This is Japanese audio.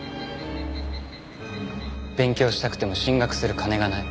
勉強したくても進学する金がない。